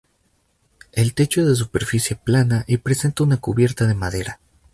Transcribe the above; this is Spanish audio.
El techo es de superficie plana y presenta una cubierta de madera.